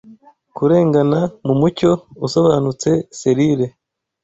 kurengana Mumucyo usobanutse selile